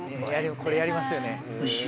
これやりますよね。